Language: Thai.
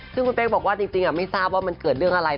ซึ่งคุณเป๊กบอกว่าจริงไม่ทราบว่ามันเกิดเรื่องอะไร